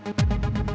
bisa disini pak